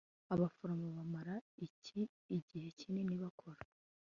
abaforomo bamara iki igihe kinini bakora